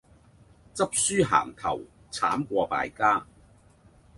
執輸行頭慘過敗家